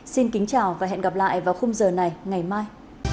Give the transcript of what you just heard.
xin kính chào và hẹn gặp lại vào khung giờ này ngày mai